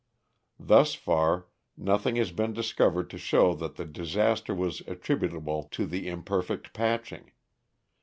Thus far, nothing has been discovered to show that the disaster was attributable to the imperfect patching.